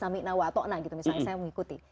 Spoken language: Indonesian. misalnya saya mengikuti